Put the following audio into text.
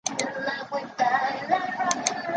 白色微细粉末。